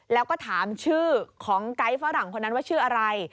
แล้วก็ถามชื่อของไกด์ฝรั่งคนนั้นว่าชื่ออะไร